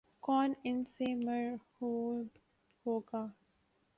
کون ان سے مرعوب ہوگا۔